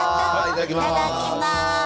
いただきます。